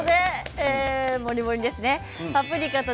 もりもりですね。